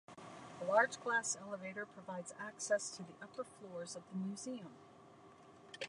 A large glass elevator provides access to the upper floors of the museum.